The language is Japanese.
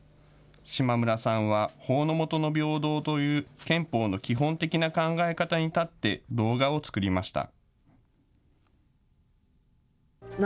島村さんは法の下の平等という憲法の基本的な考え方に立って動画を作りました。